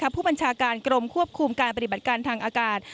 ผู้บัญชาการกรมควบคุมการปฏิบัติการทางอากาศ